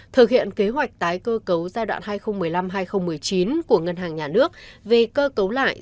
thực hiện kế hoạch tái cơ cấu giai đoạn hai nghìn một mươi năm hai nghìn một mươi chín của ngân hàng nhà nước về cơ cấu lại